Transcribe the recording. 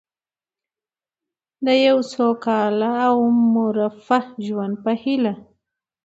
د یو سوکاله او مرفه ژوند په هیله.